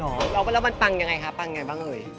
นอกไปแล้วมันปังยังไงคะปังยังไงบ้างเลย